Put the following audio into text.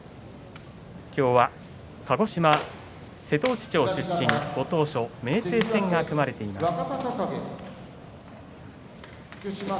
今日は鹿児島瀬戸内町出身のご当所明生戦が組まれています。